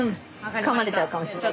かまれちゃうかもしれないから。